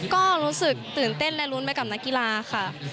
ก็รู้สึกตื่นเต้นและลุ้นไปกับนักกีฬาค่ะ